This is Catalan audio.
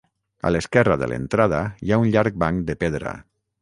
A l'esquerra de l'entrada, hi ha un llarg banc de pedra.